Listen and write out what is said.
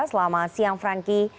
selamat siang franky